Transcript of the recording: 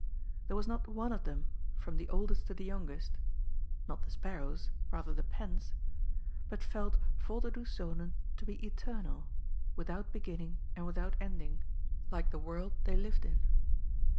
There was not one of them from the oldest to the youngest (not the sparrows, rather the pens) but felt " Volderdoes Zonen " to be eternal, without beginning and without ending, like the world they lived in.